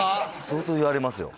相当言われますよ